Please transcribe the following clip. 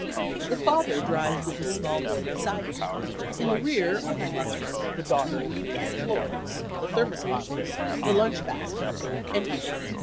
The father drives with his small boy beside him; in the rear are the mother, the daughter, Aunt Florence, the thermos bottles, the lunch baskets and you.